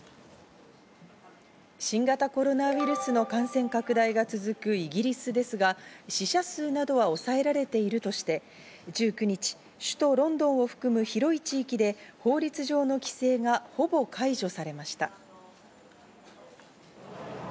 新型コロナウイルスの感染拡大が続くイギリスですが、死者数などは抑えられているとして１９日、首都ロンドンを含む広い地域で法律上の規制がほぼ解除されました。